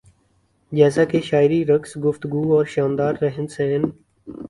جیسا کہ شاعری رقص گفتگو اور شاندار رہن سہن